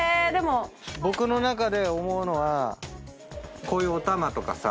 僕の中で思うのはこういうおたまとかさ